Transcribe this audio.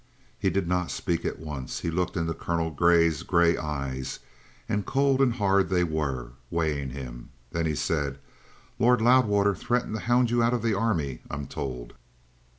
He did not speak at once. He looked into Colonel Grey's grey eyes, and cold and hard they were, weighing him. Then he said: "Lord Loudwater threatened to hound you out of the Army, I'm told."